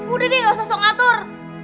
udah deh nggak usah sok ngatur